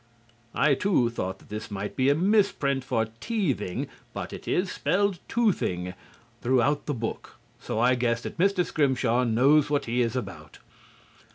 (I too thought that this might be a misprint for "teething," but it is spelled "toothing" throughout the book, so I guess that Mr. Scrimshaw knows what he is about.)